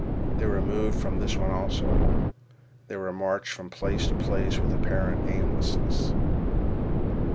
They were moved from this one also. They were marched from place to place with apparent aimlessness.